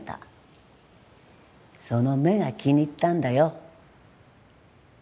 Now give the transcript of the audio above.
その目が気に入ったんだよ。